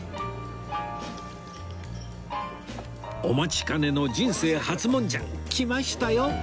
お待ちかねの人生初もんじゃ来ましたよ